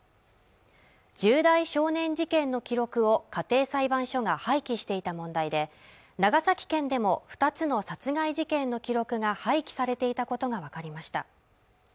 重大少年事件の記録を家庭裁判所が廃棄していた問題で長崎県でも２つの殺害事件の記録が廃棄されていたことが分かりました